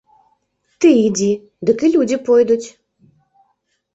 Ты ідзі, дык і людзі пойдуць!